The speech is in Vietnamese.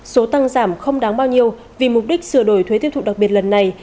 số tăng giảm không đáng bao nhiêu vì mục đích sửa đổi thuế tiêu thụ đặc biệt lần này